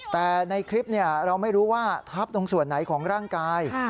แต่ในคลิปเราไม่รู้ว่าทับตรงส่วนไหนของร่างกาย